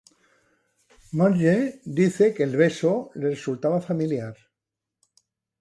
Marge dice que el beso le resultaba familiar.